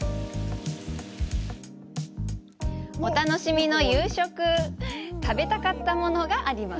お楽しみの夕食食べたかったものがあります。